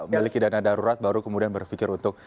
memiliki dana darurat baru kemudian berpikir untuk